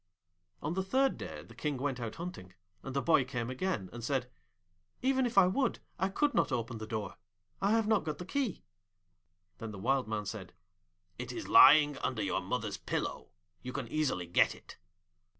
On the third day the King went out hunting, and the boy came again, and said, 'Even if I would, I could not open the door. I have not got the key.' Then the Wild Man said, 'It is lying under your mother's pillow. You can easily get it.'